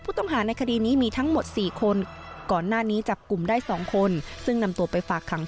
ไป